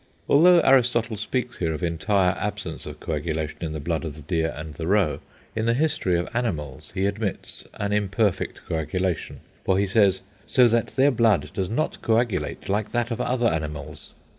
Although Aristotle speaks here of entire absence of coagulation in the blood of the deer and the roe, in the "History of Animals" he admits an imperfect coagulation, for he says, "so that their blood does not coagulate like that of other animals."